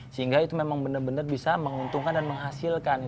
sehingga itu memang benar benar bisa menguntungkan dan menghasilkan